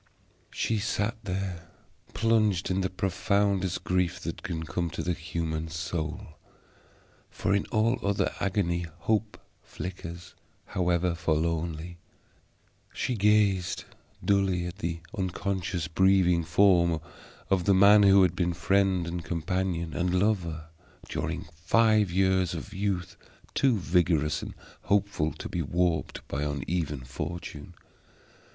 She sat there plunged in the profoundest grief that can come to the human soul, for in all other agony hope flickers, however forlornly. She gazed dully at the unconscious breathing form of the man who had been friend, and companion, and lover, during five years of youth too vigorous and hopeful to be warped by uneven fortune.